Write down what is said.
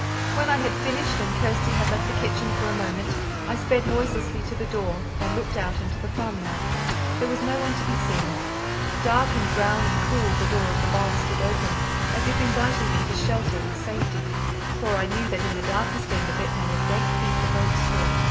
When I had finished, and Kirsty had left the kitchen for a moment, I sped noiselessly to the door, and looked out into the farmyard. There was no one to be seen. Dark and brown and cool the door of the barn stood open, as if inviting me to shelter and safety; for I knew that in the darkest end of it lay a great heap of oat straw.